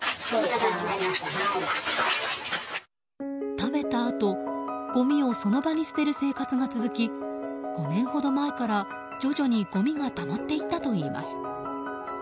食べたあと、ごみをその場に捨てる生活が続き５年ほど前から徐々にごみがたまっていったといいます。